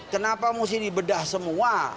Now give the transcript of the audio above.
kenapa mesti dibedah semua